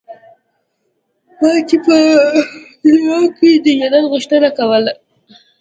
ما چې په دعا کښې د جنت غوښتنه کوله.